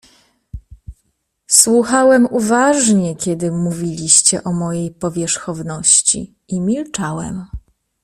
"Słuchałem uważnie, kiedy mówiliście o mojej powierzchowności, i milczałem."